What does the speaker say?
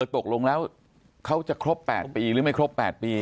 ตกลงแล้วเขาจะครบ๘ปีหรือไม่ครบ๘ปี